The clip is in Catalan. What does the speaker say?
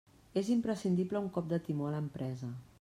És imprescindible un cop de timó a l'empresa.